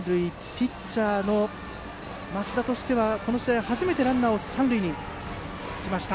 ピッチャーの升田としてはこの試合初めてランナーを三塁に置きました。